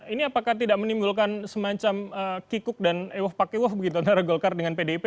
ini apakah tidak menimbulkan semacam kikuk dan ewoh pakewoh antara golkar dengan pdp